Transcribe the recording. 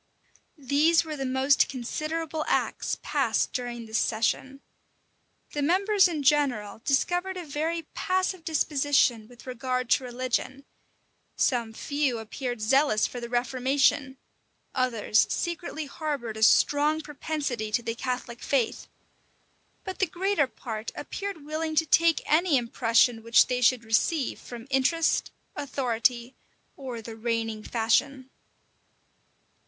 These were the most considerable acts passed during this session. The members in general discovered a very passive disposition with regard to religion: some few appeared zealous for the reformation: others secretly harbored a strong propensity to the Catholic faith: but the greater part appeared willing to take any impression which they should receive from interest authority, or the reigning fashion.